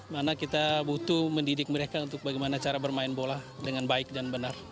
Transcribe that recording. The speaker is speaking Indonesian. mana kita butuh mendidik mereka untuk bagaimana cara bermain bola dengan baik dan benar